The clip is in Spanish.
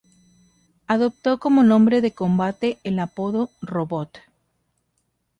Adoptó, como nombre de combate, el apodo "Robot".